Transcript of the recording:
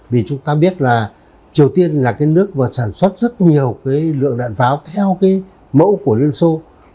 vì chúng ta biết là triều tiên là cái nước mà sản xuất rất nhiều cái lượng đạn pháo theo cái mẫu của liên xô